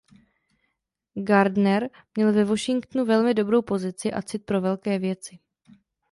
Gardner měl ve Washingtonu velmi dobrou pozici a cit pro velké věci.